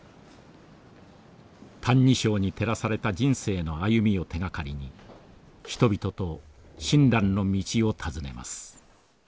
「歎異抄」に照らされた人生の歩みを手がかりに人々と親鸞の道を訪ねます。